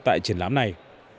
tại triển lãm này